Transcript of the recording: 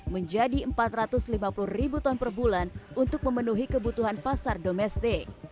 menjadi empat ratus lima puluh ribu ton per bulan untuk memenuhi kebutuhan pasar domestik